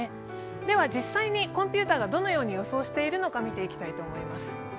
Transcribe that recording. では、実際にコンピューターがどのように予想しているのか見てみます。